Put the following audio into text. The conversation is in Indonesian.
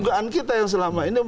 dugaan kita yang selama ini